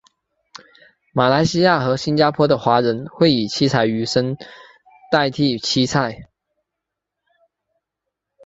马来西亚和新加坡的华人会以七彩鱼生代替七菜。